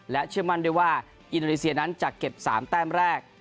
เชื่อมั่นด้วยว่าอินโดนีเซียนั้นจะเก็บ๓แต้มแรก